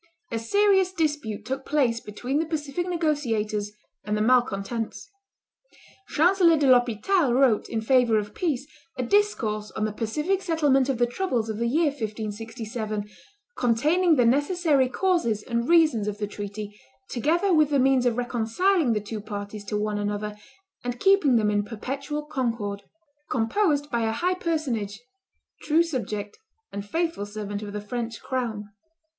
A serious dispute took place between the pacific negotiators and the malcontents. Chancellor de l'Hospital wrote, in favor of peace, a discourse on the pacific settlement of the troubles of the year 1567, containing the necessary causes and reasons of the treaty, together with the means of reconciling the two parties to one another, and keeping them in perpetual concord; composed by a high personage, true subject, and faithful servant of the French crown.